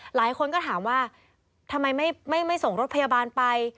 หลายคนก็ถามว่าทำไมไม่ส่งรถพยาบาลไป